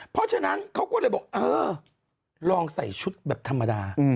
เพราะฉะนั้นเขาก็เลยบอกเออลองใส่ชุดแบบธรรมดา